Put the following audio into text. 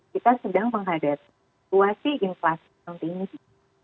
kita sedang menghadapi situasi inflasi yang tinggi